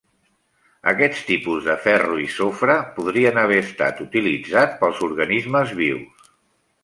Aquests tipus de ferro i sofre podrien haver estat utilitzats pels organismes vius.